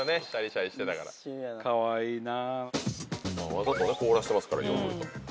わざと凍らせてますからヨーグルト。